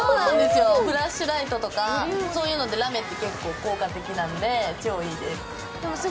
フラッシュライトとか、そういうのってラメって結構、効果的なんで超いいです。